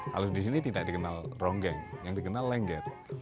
kalau di sini tidak dikenal ronggeng yang dikenal lengger